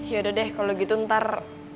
yaudah deh kalau gitu ntar